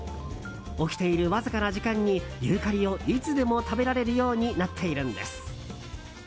起きているわずかな時間にユーカリをいつでも食べられるようになっているんです。